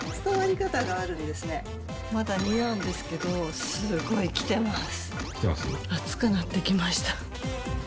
まだ２なんですけどすごいきてます。